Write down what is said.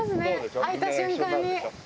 開いた瞬間に。